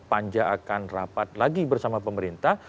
panja akan rapat lagi bersama pemerintah